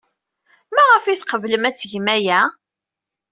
Maɣef ay tqeblem ad tgem aya?